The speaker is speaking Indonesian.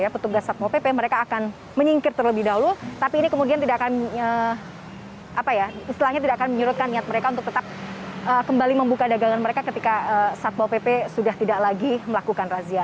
petugas satmo pp mereka akan menyingkir terlebih dahulu tapi ini kemudian tidak akan istilahnya tidak akan menyurutkan niat mereka untuk tetap kembali membuka dagangan mereka ketika satpol pp sudah tidak lagi melakukan razia